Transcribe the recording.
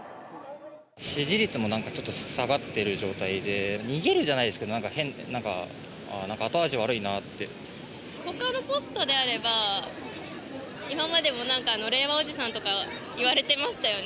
支持率もなんかちょっと下がってる状態で、逃げるじゃないですけど、ほかのポストであれば、今までもなんか、令和おじさんとか言われてましたよね。